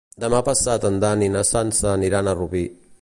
Demà passat en Dan i na Sança aniran a Rubí.